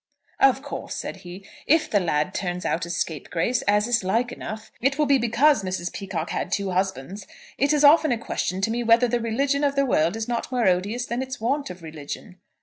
"Of course," said he, "if the lad turns out a scapegrace, as is like enough, it will be because Mrs. Peacocke had two husbands. It is often a question to me whether the religion of the world is not more odious than its want of religion."